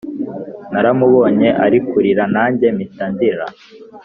Naramubonye ari kurira nanjye mita ndira